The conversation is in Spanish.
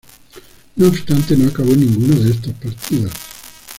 No obstante, no acabó en ninguno de estos partidos.